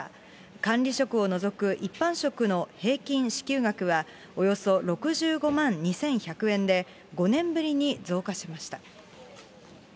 管理職をのぞく一般職の平均支給額は、およそ６５万２１００円で、５年ぶりに増加しました。